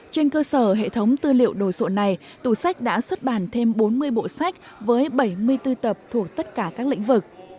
trên cơ sở hệ thống tư liệu đồ sộ này tủ sách đã xuất bản thêm bốn mươi bộ sách với bảy mươi bốn tập thuộc tất cả các lĩnh vực